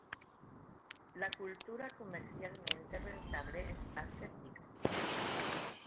la cultura comercialmente rentable es aséptica